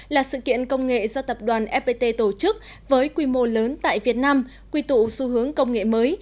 là sự kiện công nghệ do tập đoàn fpt tổ chức với quy mô lớn tại việt nam quy tụ xu hướng công nghệ mới